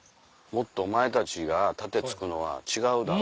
「もっとお前たちが盾突くのは違うだろ」。